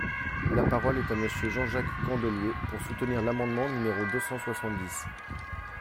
La parole est à Monsieur Jean-Jacques Candelier, pour soutenir l’amendement numéro deux cent soixante-dix.